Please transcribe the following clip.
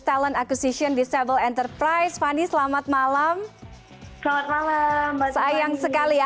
talent akuisition disable enterprise fanny selamat malam selamat malam sayang sekali ya